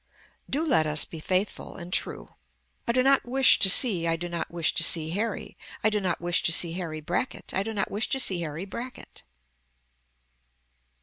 DO LET US BE FAITHFUL AND TRUE I do not wish to see I do not wish to see Harry I do not wish to see Harry Brackett I do not wish to see Harry Brackett.